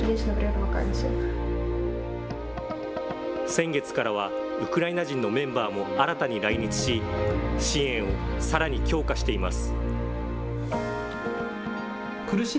先月からはウクライナ人のメンバーも新たに来日し、支援をさらに強化しています。